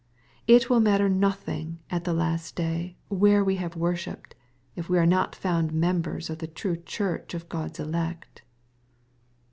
It will matter nothing at the last day where we have worshipped, if we are not found members of the true Church of God's elect.